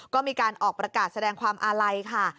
ก็มีการออกประกาศแสดงความอาลัยค่ะ